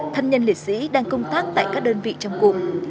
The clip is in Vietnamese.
thân nhân liệt sĩ đang công tác tại các đơn vị trong cụm